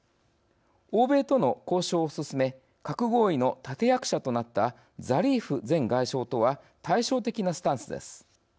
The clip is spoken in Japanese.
欧米との交渉を進め「核合意」の立役者となったザリーフ前外相とは対照的なスタンスです。